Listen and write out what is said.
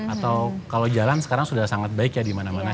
atau kalau jalan sekarang sudah sangat baik ya di mana mana